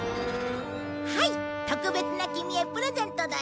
はい特別なキミへプレゼントだよ。